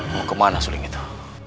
mau kemana suling itu